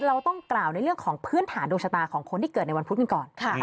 เราต้องกล่าวในเรื่องของพื้นฐานดวงชะตาของคนที่เกิดในวันพุธกันก่อน